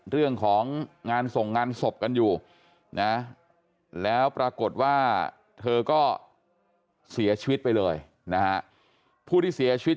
เรื่องของงานส่งงานศพกันอยู่นะแล้วปรากฏว่าเธอก็เสียชีวิตไปเลยนะฮะผู้ที่เสียชีวิต